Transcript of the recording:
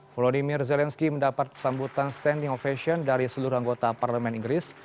volodymyr zelensky mendapat kesambutan standing ovation dari seluruh anggota parlemen inggris